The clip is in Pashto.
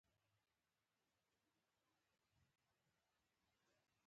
عصري تعلیم مهم دی ځکه چې روبوټکس ته لاسرسی ورکوي.